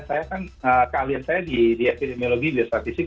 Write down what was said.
saya kan kalian saya di epidemiologi biostatistik